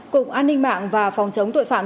cục an ninh mạng và phòng chống tội phạm